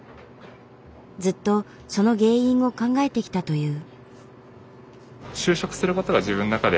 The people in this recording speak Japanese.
ずっとその原因を考えてきたという。